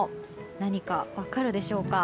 何か分かるでしょうか。